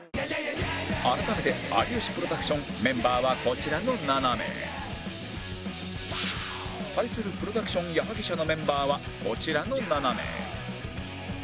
改めて有吉プロダクションメンバーはこちらの７名対するプロダクション矢作舎のメンバーはこちらの７名